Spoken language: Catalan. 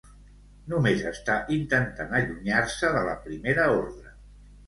Només està intentant allunyar-se de la Primera Ordre.